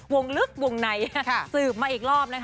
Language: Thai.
วงลึกวงในสืบมาอีกรอบนะคะ